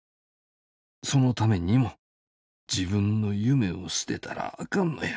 そのためにも自分の夢を捨てたらあかんのや。